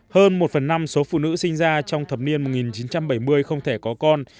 hơn một phần năm số phụ nữ sinh ra trong thập niên một nghìn chín trăm bảy mươi không thể có con